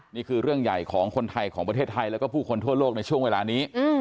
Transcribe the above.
นี่คือเรื่องใหญ่ของคนไทยของประเทศไทยแล้วก็ผู้คนทั่วโลกในช่วงเวลานี้